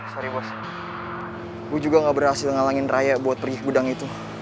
sorry bos juga gak berhasil ngalangin raya buat pergi gudang itu